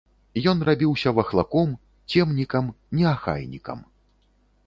Ён рабіўся вахлаком, цемнікам, неахайнікам.